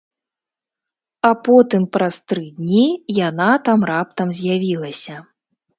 А потым, праз тры дні, яна там раптам з'явілася.